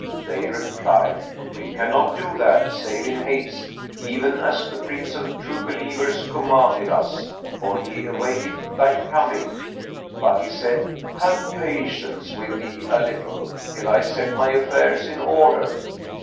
They replied, "We cannot do that, save in haste; even as the Prince of True Believers commanded us, for he awaiteth thy coming." But he said, "Have patience with me a little, till I set my affairs in order."